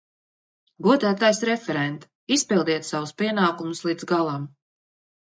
Godātais referent, izpildiet savus pienākumus līdz galam!